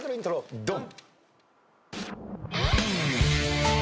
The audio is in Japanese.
ドン！